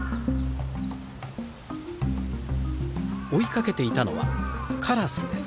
追いかけていたのはカラスです。